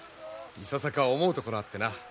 いささか思うところあってな